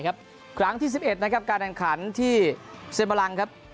คลามที่สิบเอ็ดการแอนคันที่เซ่นบาลังก์